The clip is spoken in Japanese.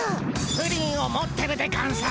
プリンを持ってるでゴンス。